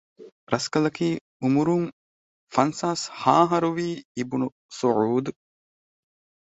ރަސްކަލަކީ އުމުރުން ފަންސާސް ހަ އަހަރުވީ އިބްނު ސުޢޫދު